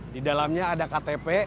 di dalamnya ada ktp